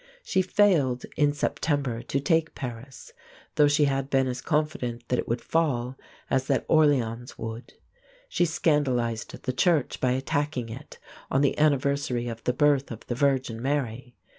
She failed in September to take Paris; though she had been as confident that it would fall as that Orléans would. She scandalized the church by attacking it on the anniversary of the birth of the Virgin Mary.